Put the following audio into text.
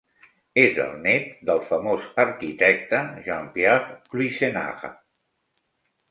És el nét del famós arquitecte Jean-Pierre Cluysenaar.